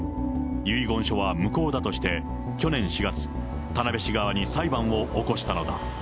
遺言書は無効だとして、去年４月、田辺市側に裁判を起こしたのだ。